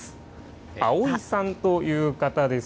あおいさんという方です。